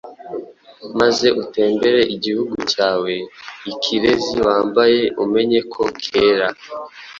maze utembere Igihugu cyawe, ikirezi wambaye umenye ko kera.